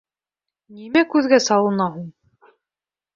Нимә күҙгә салына һуң?